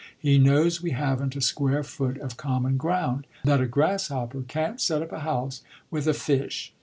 He knows we haven't a square foot of common ground that a grasshopper can't set up a house with a fish.